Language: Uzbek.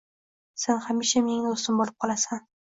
Sen hamisha mening do‘stim bo‘lib qolasan